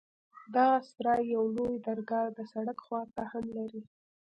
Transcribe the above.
دغه سراى يوه لويه درګاه د سړک خوا ته هم لري.